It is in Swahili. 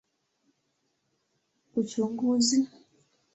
Uchunguzi unaweza kuleta utambuzi wa mapema.